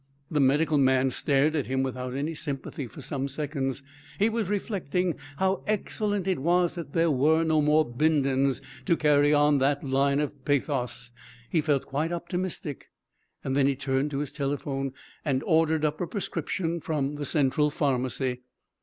The medical man stared at him without any sympathy for some seconds. He was reflecting how excellent it was that there were no more Bindons to carry on that line of pathos. He felt quite optimistic. Then he turned to his telephone and ordered up a prescription from the Central Pharmacy.